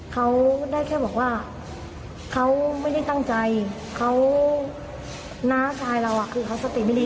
เขาได้แค่บอกว่าเขาไม่ได้ตั้งใจเขาน้าชายเราคือเขาสติไม่ดี